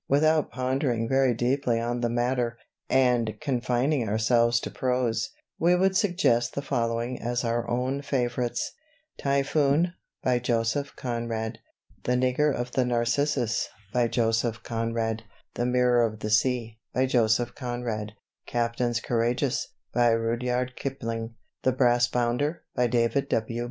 Without pondering very deeply on the matter, and confining ourself to prose, we would suggest the following as our own favourites: _Typhoon, by Joseph Conrad The Nigger of the "Narcissus," by Joseph Conrad The Mirror of the Sea, by Joseph Conrad Captains Courageous, by Rudyard Kipling The Brassbounder, by David W.